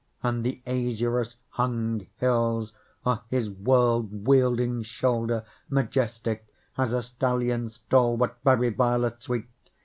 And the azurous hung hills are his world wielding shoulder Majestic as a stallion stalwart, very violet sweet!